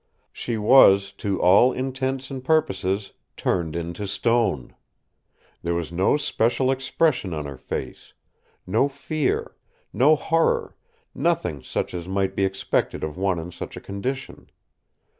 She was, to all intents and purposes, turned into stone. There was no special expression on her face—no fear, no horror; nothing such as might be expected of one in such a condition.